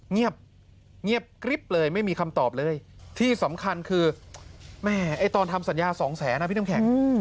เงียบกริ๊บเลยไม่มีคำตอบเลยที่สำคัญคือแม่ไอ้ตอนทำสัญญาสองแสนนะพี่น้ำแข็ง